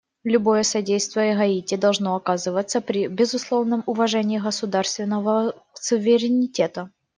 Любое содействие Гаити должно оказываться при безусловном уважении государственного суверенитета.